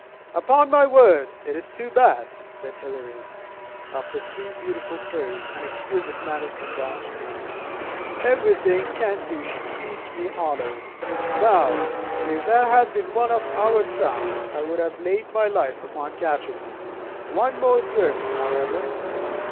"Upon my word, it is too bad," said Hilary, after three beautiful throws, and exquisite management down stream; "everything Kentish beats me hollow. Now, if that had been one of our trout, I would have laid my life upon catching him. One more throw, however.